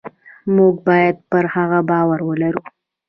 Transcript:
موږ باید پر هغه باور ولرو.